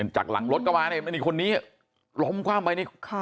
จากหลังรถเข้ามาเนี่ยมันเป็นนี่คนนี้ล้มกว่าไป